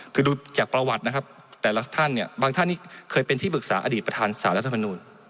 คือดูจากประวัตินะครับแต่ละท่านเนี่ยบางท่านนี่เคยเป็นที่ปรึกษาอดีตประธานสารรัฐมนูล